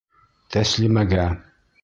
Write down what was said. Тәслимәгә!